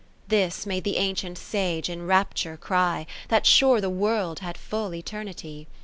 This made the ancient Sage in rapture cry, That sure the World had full eternity.